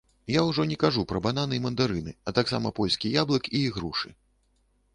Я ўжо не кажу пра бананы і мандарыны, а таксама польскі яблык і ігрушы.